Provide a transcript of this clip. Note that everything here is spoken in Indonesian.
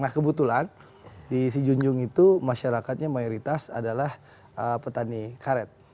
nah kebetulan di sijunjung itu masyarakatnya mayoritas adalah petani karet